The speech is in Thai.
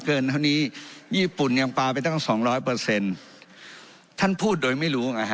เกินคราวนี้ญี่ปุ่นยังปลาไปตั้ง๒๐๐ท่านพูดโดยไม่รู้อ่ะ